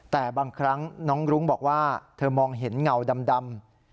แต่บางครั้งน้องรุ้งบอกว่าเธอมองเห็นเงาดำ